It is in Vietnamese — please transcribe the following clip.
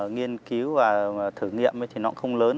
nghiên cứu và thử nghiệm ấy thì nó không lớn